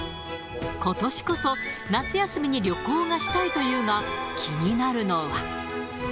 ことしこそ、夏休みに旅行がしたいというが、気になるのは。